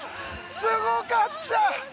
すごかった！